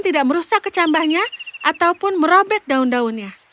tidak merusak kecambahnya ataupun merobek daun daunnya